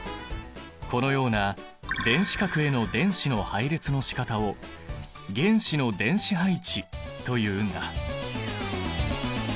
このような電子殻への電子の配列のしかたを原子の電子配置というんだ。